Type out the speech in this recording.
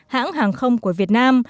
hãng hàng không của việt nam